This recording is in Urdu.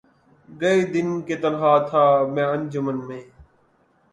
گئے دن کہ تنہا تھا میں انجمن میں